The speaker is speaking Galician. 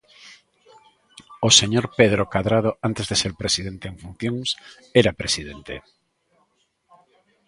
O señor Pedro Cadrado antes de ser presidente en funcións era presidente.